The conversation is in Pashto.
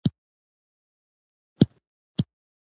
چی خپل سپی په پردی ننګه، افغانانو ته غپیږی